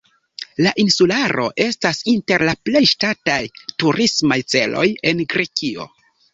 La insularo estas inter la plej ŝatataj turismaj celoj en Grekio.